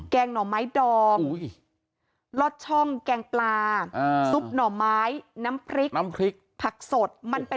แกงหน่อไม้ดอมรอดช่องแกงปลาซุปหน่อไม้น้ำพริกผักสด